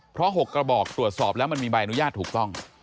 เพราะ๖กระบอกตรวจสอบแล้วมันมีใบอนุญาตถูกต้อง